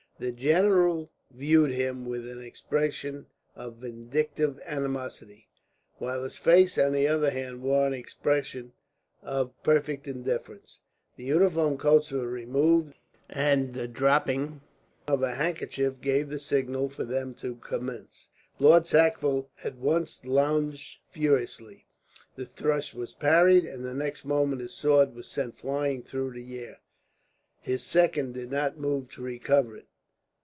The general viewed him with an expression of vindictive animosity; while his face, on the other hand, wore an expression of perfect indifference. The uniform coats were removed, and the dropping of a handkerchief gave the signal for them to commence. Lord Sackville at once lunged furiously. The thrust was parried, and the next moment his sword was sent flying through the air. His second did not move to recover it.